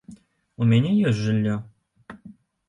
У мяне ёсць жыллё.